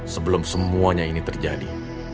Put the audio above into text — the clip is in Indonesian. sebelum semuanya ini terjadi